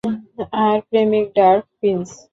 আর প্রেমিক dark Prince.